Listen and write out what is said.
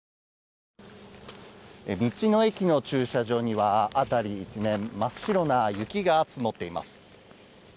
道の駅の駐車場には辺り一面真っ白な雪が積もっています。